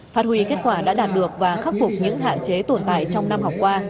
phát huy kết quả đã đạt được và khắc phục những hạn chế tồn tại trong năm học qua